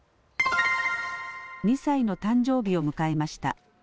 ２歳の誕生日を迎えました。